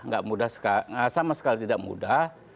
gak mudah sama sekali tidak mudah